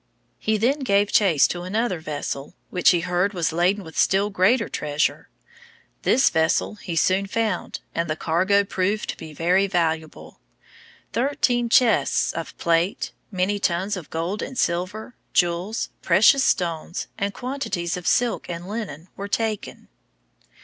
He then gave chase to another vessel, which he heard was laden with still greater treasure. This vessel he soon found, and the cargo proved to be very valuable. Thirteen chests of plate, many tons of gold and silver, jewels, precious stones, and quantities of silk and linen were taken.